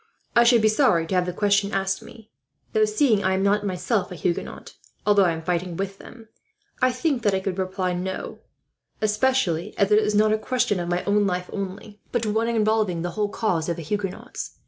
I should be sorry to have the question asked me, though seeing I am not myself a Huguenot, although I am fighting with them, I think that I could reply 'no;' especially as it is not a question of my own life only, but one involving the whole cause of the Huguenots.